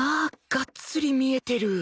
がっつり見えてる